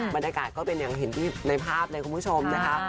บรรยากาศก็เป็นอย่างเห็นในภาพเลยคุณผู้ชมนะคะ